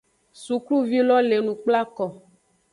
Sukluvi lo le enu kplako.